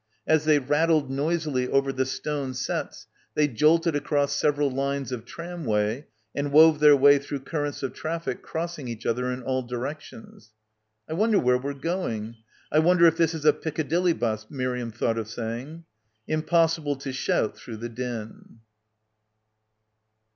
As they rattled noisily over the stone setts they jolted across sev eral lines of tramway and wove their way through currents of traffic crossing each other in all direc tions. "I wonder where we're going — I wonder if this is a Piccadilly bus," Miriam thought of saying. Impossible to shout through the din.